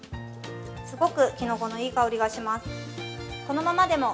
すごくきのこのいい香りがします。